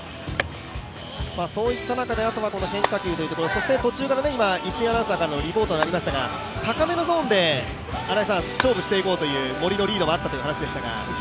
そういった中であとは変化球というところそして途中から、石井アナウンサーからのリポートがありましたが高めのゾーンで勝負していこうという森のリードもあったという話でしたが。